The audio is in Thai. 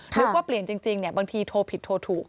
นึกว่าเปลี่ยนจริงบางทีโทรผิดโทรถูก